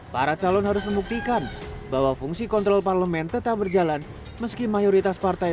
para calon harus membuktikan bahwa fungsi kontrol parlemen tetap berjalan meski mayoritas partai